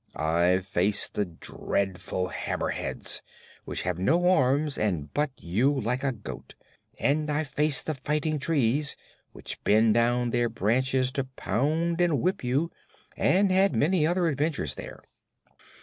"I've faced the dreadful Hammerheads, which have no arms and butt you like a goat; and I've faced the Fighting Trees, which bend down their branches to pound and whip you, and had many other adventures there."